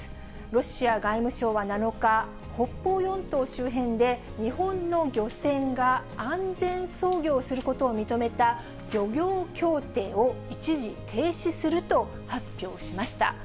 ロシア外務省は７日、北方四島周辺で、日本の漁船が安全操業することを認めた漁業協定を一時停止すると発表しました。